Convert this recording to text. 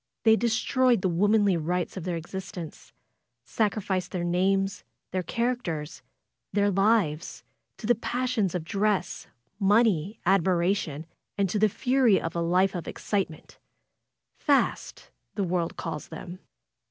They destroyed the womanly rights of their exist ence, sacriflced their names, their characters, their lives, to the passions of dress, money, admiration, and to the fury of a life of excitement — 'Tast^' the world calls them.